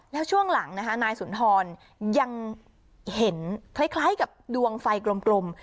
แล้วช่วงหลังนะคะนายสุนทรยังเห็นคล้ายกับดวงไฟกลม